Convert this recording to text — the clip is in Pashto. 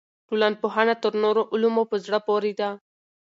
ټولنپوهنه تر نورو علومو په زړه پورې ده.